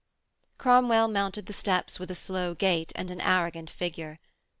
Cromwell mounted the steps with a slow gait and an arrogant figure.